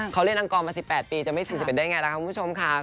เขาเรียนอังกฎมา๑๘ปีจะไม่๔๑ปีได้อย่างไรนะครับคุณผู้ชมค่ะ